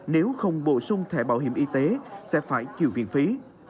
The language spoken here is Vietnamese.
nếu không bổ sung thẻ bảo hiểm y tế sẽ phải chịu viện phí